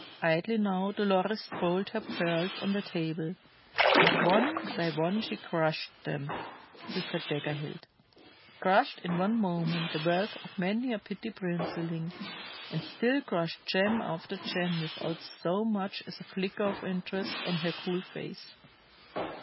Idly now Dolores rolled her pearls on the table, and one by one she crushed them with her dagger hilt crushed in one moment the wealth of many a petty princeling, and still crushed gem after gem without so much as a flicker of interest on her cool face.